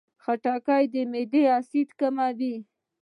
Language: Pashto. خټکی د معدې اسید کموي.